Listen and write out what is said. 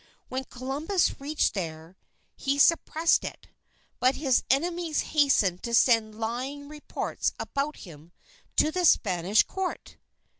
When Columbus reached there, he suppressed it. But his enemies hastened to send lying reports about him to the Spanish Court.